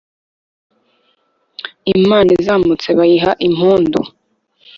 imana izamutse bayiha impundu